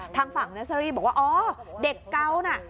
ทางฝั่งนัสรีบอกว่าอ๋อเด็กเกานะ